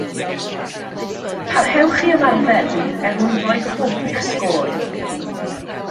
Parhewch i ymarfer er mwyn rhoi hwb i'ch sgôr